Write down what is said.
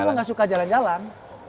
emang nggak suka jalan jalan